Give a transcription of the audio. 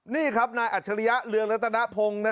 นี่ครับนายอัชริยะเรืองระถาหนะภง